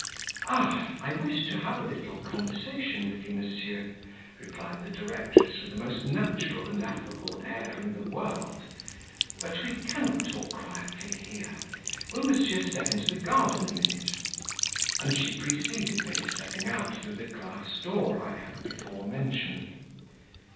"Ah, I wished to have a little conversation with you, monsieur," replied the directress with the most natural and affable air in the world; "but we cannot talk quietly here; will Monsieur step into the garden a minute?" And she preceded me, stepping out through the glass door I have before mentioned.